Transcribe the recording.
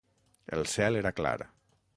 El cel era clar.